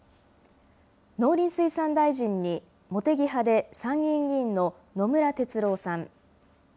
農林水産大臣に茂木派で参議院議員の野村哲郎さん。